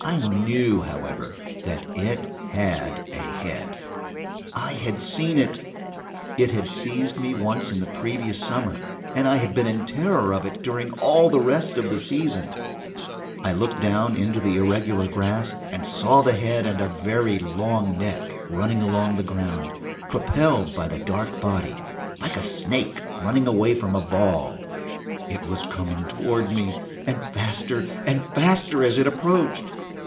I knew, however, that it had a head. I had seen it; it had seized me once in the previous summer, and I had been in terror of it during all the rest of the season. I looked down into the irregular grass, and saw the head and a very long neck running along on the ground, propelled by the dark body, like a snake running away from a ball. It was coming toward me, and faster and faster as it approached.